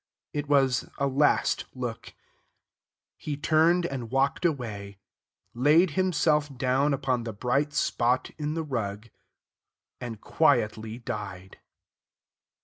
It was a last look. He turned and walked away, laid himself down upon the bright spot in the rug, and quietly died.